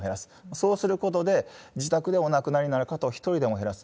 そうすることで自宅でお亡くなりになる方を一人でも減らす。